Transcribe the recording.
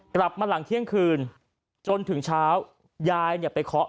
กลับมาหลังเที่ยงคืนจนถึงเช้ายายเนี่ยไปเคาะ